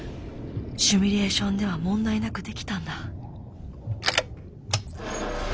シミュレーションでは問題なくできたんだ。